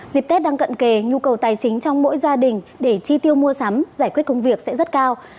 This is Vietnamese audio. dịp tết đang cận kề nhu cầu tài chính trong mỗi gia đình để chi tiêu mua sắm giải quyết công việc sẽ rất cao